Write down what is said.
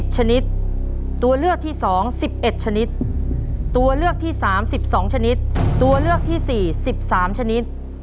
ชนิดตัวเลือกที่๒๑๑ชนิดตัวเลือกที่๓๑๒ชนิดตัวเลือกที่๔๑๓ชนิด